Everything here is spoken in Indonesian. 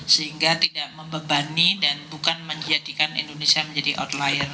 sehingga tidak membebani dan bukan menjadikan indonesia menjadi outlier